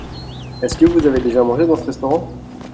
Est-ce que vous avez déjà mangé dans ce restaurant ?